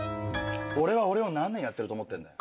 俺は俺を何年やってると思ってんだよ。